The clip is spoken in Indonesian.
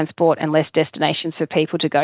serta ramah lingkungan bagi semua orang